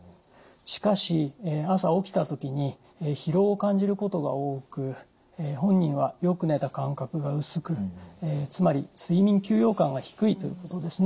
しかし朝起きた時に疲労を感じることが多く本人はよく寝た感覚が薄くつまり睡眠休養感が低いということですね。